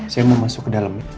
saya mau masuk ke dalam itu